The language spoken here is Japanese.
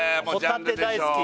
ホタテ大好き